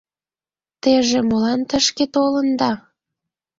Теже молан тышке толында?